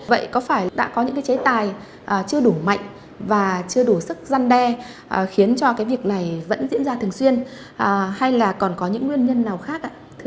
vậy có phải đã có những chế tài chưa đủ mạnh và chưa đủ sức gian đe khiến cho cái việc này vẫn diễn ra thường xuyên hay là còn có những nguyên nhân nào khác ạ